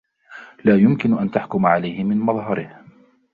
لايمكن أن تحكم عليه من مظهره